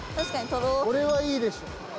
これはいいでしょ。